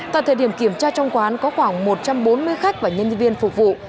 tại thời điểm kiểm tra trong quán có khoảng một trăm bốn mươi khách và nhân viên phục vụ